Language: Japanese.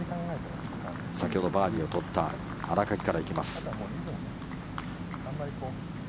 先ほどバーディーを取った新垣から行きます。